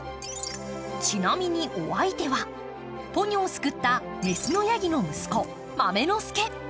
ちなみにお相手はポニョを救った雌のやぎの息子、豆の助。